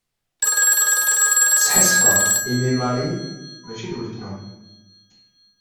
Sḥassfeɣ imi Mary mačči d uletma.